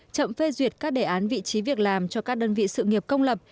chậm phê duyệt các đề án vị trí việc làm cho các đơn vị sự nghiệp công lập